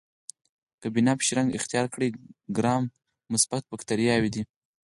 که بنفش رنګ اختیار کړي ګرام مثبت باکتریاوې دي.